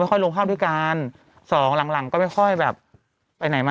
ค่อยลงภาพด้วยกันสองหลังหลังก็ไม่ค่อยแบบไปไหนมา